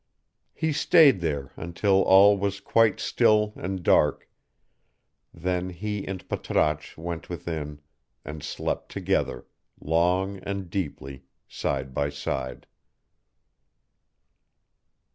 He stayed there until all was quite still and dark, then he and Patrasche went within and slept together, long and deeply, side by side.